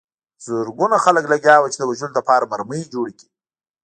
زرګونه خلک لګیا وو چې د وژلو لپاره مرمۍ جوړې کړي